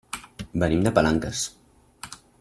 Venim de Palanques.